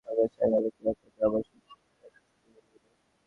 আমরা চাই, লাকী আখান্দ্ আবারও সুস্থ হয়ে ফিরে আসুন সংগীতের ভুবনে।